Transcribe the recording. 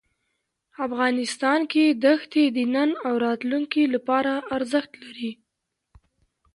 افغانستان کې دښتې د نن او راتلونکي لپاره ارزښت لري.